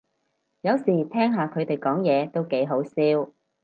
有時聽下佢哋講嘢都幾好笑